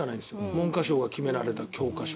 文科省が決められた教科書。